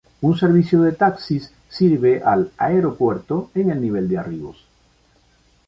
Un servicio de taxis sirve al aeropuerto en el nivel de arribos.